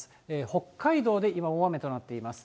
北海道で今大雨となっています。